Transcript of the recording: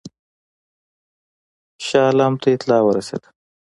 شاه عالم ته اطلاع ورسېده.